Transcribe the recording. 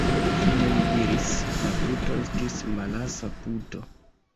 Fine li diris: "La puto estis melasa puto."